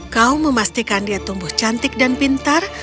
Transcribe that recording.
kau memastikan dia tumbuh cantik dan pintar